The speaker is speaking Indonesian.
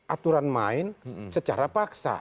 aturan main secara paksa